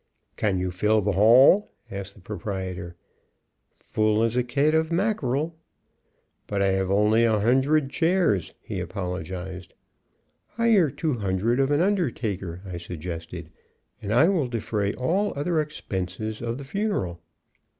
"Can you fill the hall?" asked the proprietor. "Full as a kit of mackerel." "But I have only a hundred chairs," he apologized. "Hire two hundred of an undertaker," I suggested, "and I will defray all other expenses of the funeral."